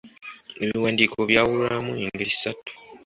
Ebiwandiiko byawulwamu engeri ssatu.